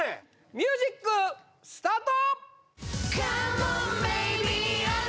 ミュージックスタート！